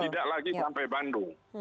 tidak lagi sampai bandung